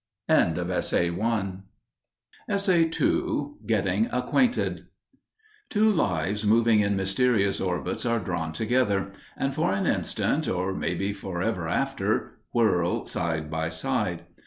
*Getting Acquainted* Two lives moving in mysterious orbits are drawn together, and for an instant, or maybe for ever after, whirl side by side.